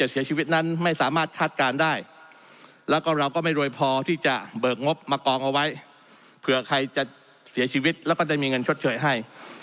เอาไว้เผื่อใครจะเสียชีวิตแล้วก็จะมีเงินชดเฉยให้